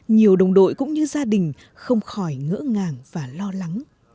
nhiều đồng đội cũng như gia đình không khỏi ngỡ ngàng và lo lắng